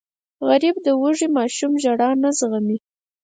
غریب د وږې ماشوم ژړا نه زغمي